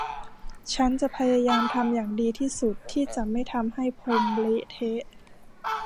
ฉันจะพยายามทำอย่างดีที่สุดที่จะไม่ทำให้พรมเละเทะ